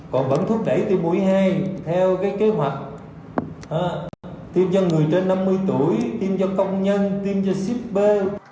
còn vẫn thúc đẩy tiêm mũi hai theo cái kế hoạch tiêm cho người trên năm mươi tuổi tiêm cho công nhân tiêm cho shipp